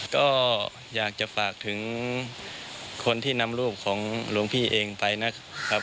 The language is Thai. ก็อยากจะฝากถึงคนที่นำรูปของหลวงพี่เองไปนะครับ